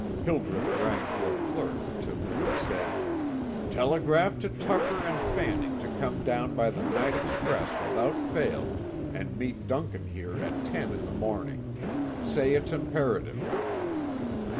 Hildreth rang for a clerk to whom he said: "Telegraph to Tucker and Fanning to come down by the night express without fail, and meet Duncan here at ten in the morning. Say it's imperative."